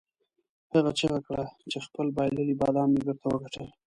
هغه چیغه کړه چې خپل بایللي بادام مې بیرته وګټل.